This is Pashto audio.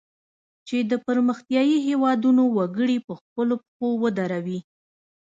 چې د پرمختیایي هیوادونو وګړي په خپلو پښو ودروي.